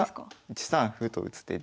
１三歩と打つ手で。